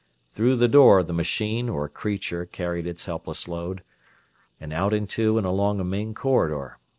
Through the door the machine or creature carried its helpless load, and out into and along a main corridor.